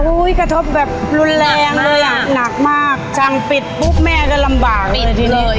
อุ้ยกระทบแบบรุนแรงเลยอ่ะหนักมากจังปิดปุ๊บแม่ก็ลำบากเลยทีนี้ปิดเลย